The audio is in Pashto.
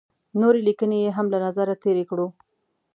نورې لیکنې یې هم له نظره تېرې کړو.